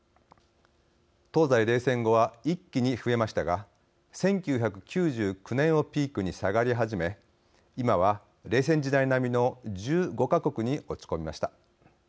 東西冷戦後は一気に増えましたが１９９９年をピークに下がり始め今は冷戦時代並みの１５か国に落ち込みました。